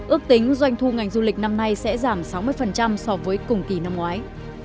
ước tính doanh thu ngành du lịch năm nay sẽ giảm sáu mươi so với cùng kỳ năm ngoái